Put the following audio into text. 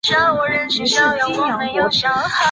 于是泾阳国除。